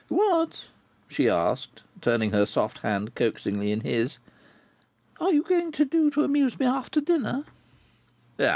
"What," she asked, turning her soft hand coaxingly in his, "are you going to do to amuse me, after dinner?"